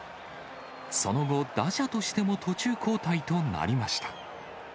その後、打者としても途中交代となりました。